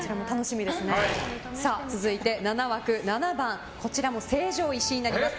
続いて、７枠７番こちらも成城石井になります。